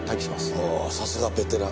おおさすがベテラン。